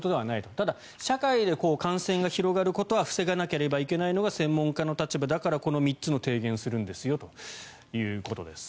ただ、社会で感染が広がることは防がなければいけないのは専門家の立場だからこの３つの提言をするんですよということです。